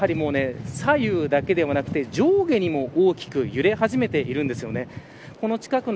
海岸沿いの木を見ますとやはり、左右だけではなくて上下にも大きく揺れ始めているんです。